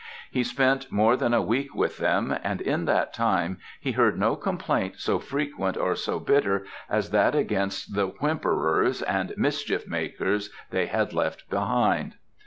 He spent more than a week with them, and in that time he heard no complaint so frequent or so bitter as that against the whimperers and mischief makers they had left behind.